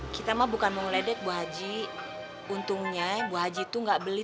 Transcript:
kita mah bukan mau ledek bu haji untungnya bu haji itu enggak beli